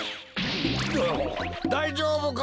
おおだいじょうぶか？